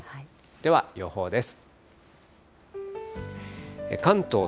では、予報です。